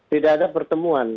tidak ada pertemuan